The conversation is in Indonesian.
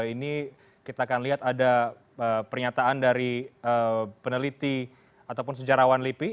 ini kita akan lihat ada pernyataan dari peneliti ataupun sejarawan lipi